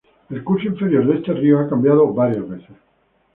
El curso inferior de este río ha cambiado varias veces.